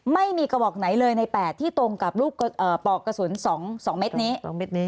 ไม่มีกระบอกไหนเลยใน๘ที่ตรงกับปอกกระสุน๒เม็ดนี้